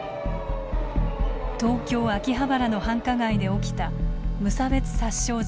東京・秋葉原の繁華街で起きた無差別殺傷事件。